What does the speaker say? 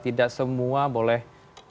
tidak semua boleh bergerak ke lantai dua